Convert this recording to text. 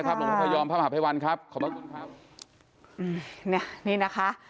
อย่างเดียวทุกอย่างดีหมด